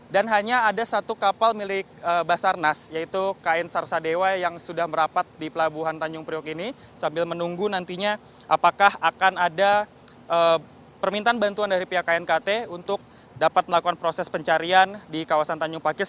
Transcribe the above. dan hanya ada satu kapal milik basarnas yaitu kn sarsadewa yang sudah merapat di pelabuhan tanjung priok ini sambil menunggu nantinya apakah akan ada permintaan bantuan dari pihak knkt untuk dapat melakukan proses pencarian di kawasan tanjung pakis